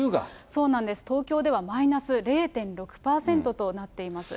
そうなんです、東京ではマイナス０．６％となっています。